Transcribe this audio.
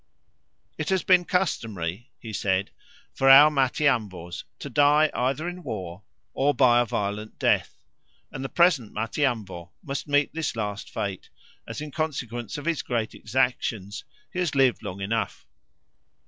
"It has been customary," he said, "for our Matiamvos to die either in war or by a violent death, and the present Matiamvo must meet this last fate, as, in consequence of his great exactions, he has lived long enough.